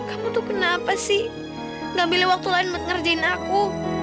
niel kamu tuh kenapa sih ngambilin waktu lain buat ngerjain aku